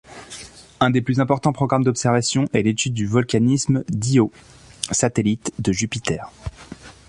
Un des plus importants programmes d'observation est l'étude du volcanisme d'Io, satellite de Jupiter.